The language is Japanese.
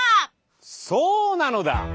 そうなのだ！